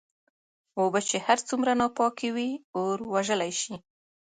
اوبه چې هرڅومره ناپاکي وي اور وژلی شې.